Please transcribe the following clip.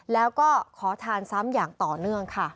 แล้วก็ขอทานซ้ำอย่างต่อเนื่องค่ะ